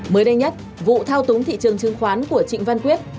mới đây nhất vụ thao túng thị trường chứng khoán của trịnh văn quyết